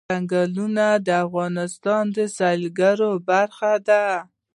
ځنګلونه د افغانستان د سیلګرۍ برخه ده.